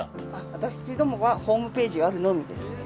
私どもはホームページがあるのみですね。